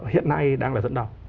hiện nay đang là dẫn đầu